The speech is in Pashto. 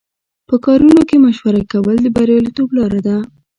په کارونو کې مشوره کول د بریالیتوب لاره ده.